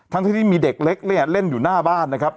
ทั้งที่มีเด็กเล็กเล่นอยู่หน้าบ้านนะครับ